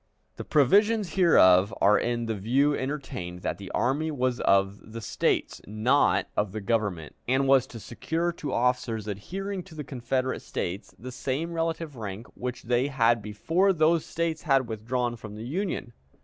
The provisions hereof are in the view entertained that the army was of the States, not of the Government, and was to secure to officers adhering to the Confederate States the same relative rank which they had before those States had withdrawn from the Union.